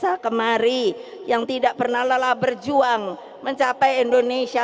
masa kemari yang tidak pernah lelah berjuang mencapai indonesia